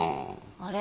あれ？